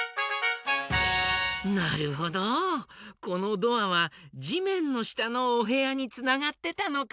なるほどこのドアはじめんのしたのおへやにつながってたのか。